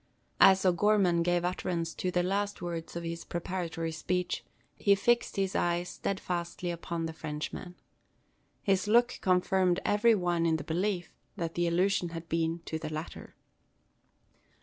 As O'Gorman gave utterance to the last words of his preparatory speech, he fixed his eyes steadfastly upon the Frenchman. His look confirmed every one in the belief that the allusion had been to the latter.